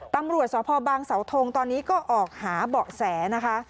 ตำรวจสพบางเสาทงตอนนี้ก็ออกหาเบาะแสนะคะ